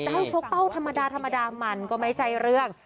ให้ชกเป้าธรรมดาธรรมดามันก็ไม่ใช่เรื่อง